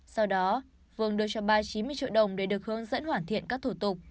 sau đó vương đưa cho ba chín mươi triệu đồng để được hướng dẫn hoàn thiện các thủ tục